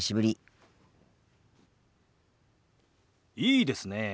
いいですねえ。